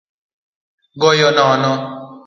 Goyo gono